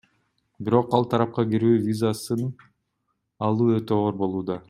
Бирок ал тарапка кирүү визасын алуу өтө оор болууда.